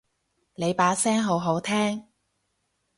你把聲好好聽